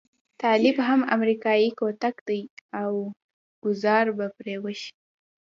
طالب هم امريکايي کوتک دی او ګوزار به پرې وشي.